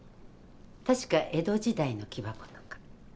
確か江戸時代の木箱とか。